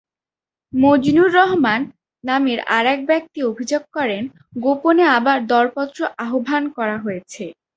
মজনুর রহমান নামের আরেক ব্যক্তি অভিযোগ করেন, গোপনে আবার দরপত্র আহ্বান করা হয়েছে।